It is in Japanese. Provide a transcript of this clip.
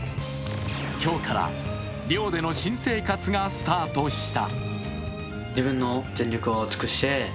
今日から寮での新生活がスタートした。